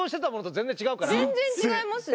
全然違いますね。